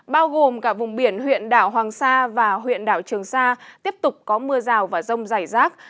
bao gồm cả vùng biển huyện đảo hoàng sa và huyện đảo trường sa tiếp tục có mưa rào và rông dày rác